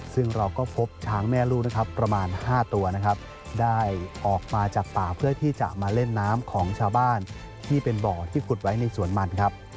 ซึ่งเราก็พบช้างแม่ลูปประมาณห้าตัวได้ออกมาจากป่าเพื่อที่จะมาเล่นน้ำของชาวบ้านที่คุดไว้ในสวนมัน